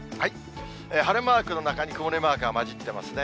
晴れマークの中に曇りマークが混じってますね。